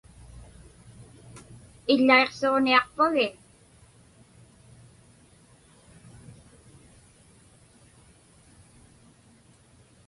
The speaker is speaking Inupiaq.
Iḷḷaiqsuġniaqpagi?